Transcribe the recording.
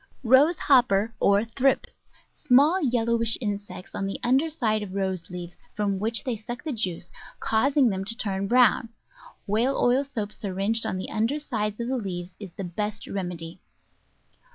Rose Hopper, or Thrips — small yellowish insects on the under side of Rose leaves, from which they suck the juice, causing them to turn brown; whale oil soap syringed on die under side of the leaves is the best remedy.